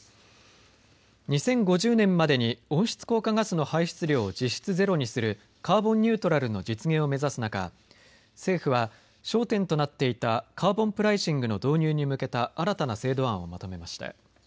２０５０年までに温室効果ガスの排出量を実質ゼロにする、カーボンニュートラルの実現を目指す中、政府は焦点となっていたカーボンプライシングの導入に向けた新たな制度案をまとめました。